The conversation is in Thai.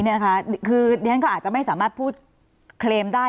เดี๋ยวฉันก็อาจจะไม่สามารถพูดเคลมได้